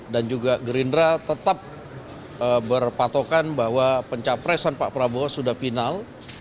dan juga gerindra tetap berpatokan bahwa pencapresan pak prabowo sudah final